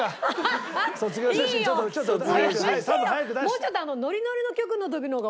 もうちょっとノリノリの曲の時の方が。